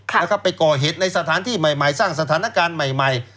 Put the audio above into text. แล้วก็ไปก่อเหตุในสถานที่ใหม่สร้างสถานการณ์ใหม่